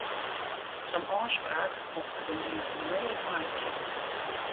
Sa'n ôfspraak mocht de gemeente noait meitsje.